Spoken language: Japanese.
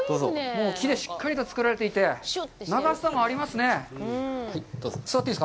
もう木でしっかりと造られていて、長さもありますね。